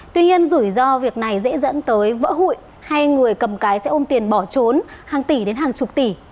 tuy nhiên rủi ro việc này dễ dẫn tới vỡ hụi hay người cầm cái xe sẽ ôm tiền bỏ trốn hàng tỷ đến hàng chục tỷ